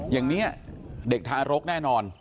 อย่างนี้เด็กทารกแน่นอน